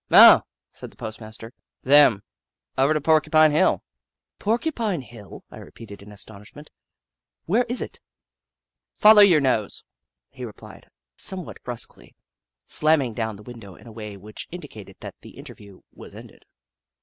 " Oh," said the postmaster. " Them. Over to Porcupine Hill." "Porcupine Hill!" I repeated in astonish ment. " Where is it ?"" Follow your nose," he replied, somewhat brusquely, slamming down the window in a way which indicated that the interview was ended.